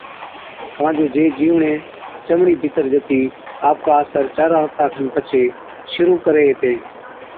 ڪان جو جين جِيوڙين چمڙِي ۾ ڀِيتر جتِي آپڪا اثر چارا هفتا کن پڇي شرُوع ڪرين هِتين۔